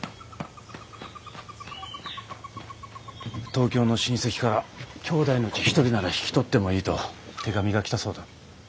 東京の親戚からきょうだいのうち一人なら引き取ってもいいと手紙が来たそうだ。